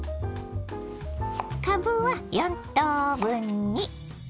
かぶは４等分に。